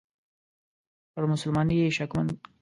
پر مسلماني یې شکمن کیږي.